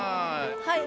はい。